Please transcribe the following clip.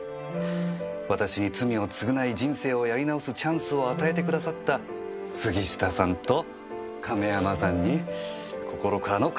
「私に罪を償い人生をやり直すチャンスを与えてくださった杉下さんと亀山さんに心からの感謝を込めて。